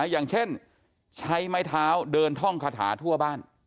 อย่างเช่นใช้ไม้เท้าเดินท่องคาถาทั่วบ้าน